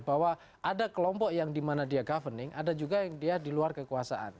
bahwa ada kelompok yang dimana dia governing ada juga yang dia di luar kekuasaan